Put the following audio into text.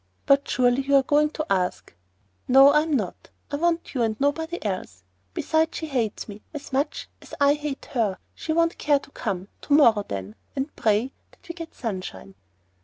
"But surely you are going to ask——" "No, I am not. I want you and nobody else. Besides, she hates me as much as I hate her. She won't care to come. To morrow, then; and pray that we get sunshine."